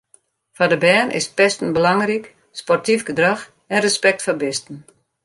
Foar de bern is pesten belangryk, sportyf gedrach en respekt foar bisten.